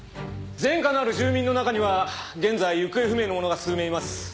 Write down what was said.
前科のある住民の中には現在行方不明の者が数名います。